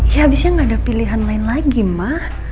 ya abisnya gak ada pilihan lain lagi ma